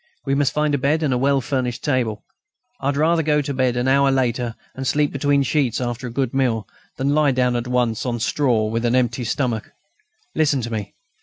We must find a bed and a well furnished table. I had rather go to bed an hour later, and sleep between sheets after a good meal, than lie down at once on straw with an empty stomach. Listen to me.